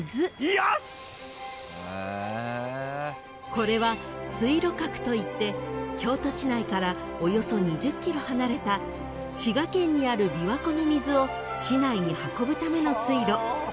［これは水路閣といって京都市内からおよそ２０ｋｍ離れた滋賀県にある琵琶湖の水を市内に運ぶための水路］